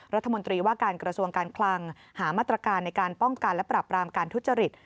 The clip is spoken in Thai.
รัฐมนตรีว่าการกระทรวงการคลังหามาตรการในการป้องกันและปรับรามการทุจริต